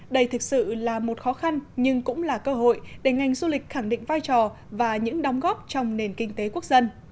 đây thực sự là một khó khăn nhưng cũng là cơ hội để ngành du lịch khẳng định vai trò và những đóng góp trong nền kinh tế quốc dân